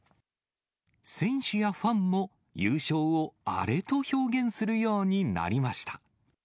選手やファンも優勝をアレと表現するようになりました。